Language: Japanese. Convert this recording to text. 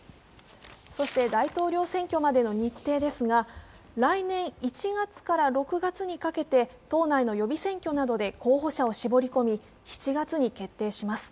そして大統領選挙までの日程ですが、来年１月から６月にかけて党内の予備選挙などで候補者を絞り込み、７月に決定します。